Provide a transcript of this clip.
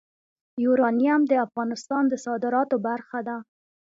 یورانیم د افغانستان د صادراتو برخه ده.